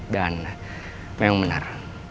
dan memang benar